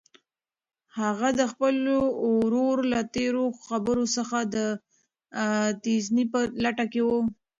هغه د خپل ورور له تېرو خبرو څخه د تېښتې په لټه کې وه.